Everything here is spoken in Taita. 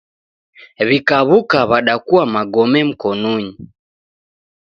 W'ikaw'uka w'adakua magome mkonunyi.